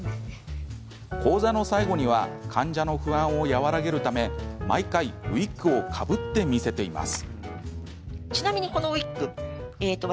講座の最後には患者の不安を和らげるため毎回ウイッグをかぶってみせています。